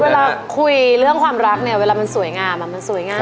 เวลาคุยเรื่องความรักเนี่ยเวลามันสวยงามอะ